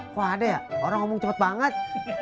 kok ada ya orang ngomong cepet banget